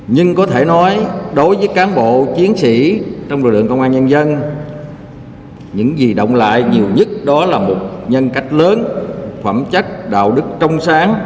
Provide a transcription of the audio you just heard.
nhưng có thể nói đối với cán bộ chiến sĩ trong lực lượng